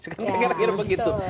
sekarang kira kira begitu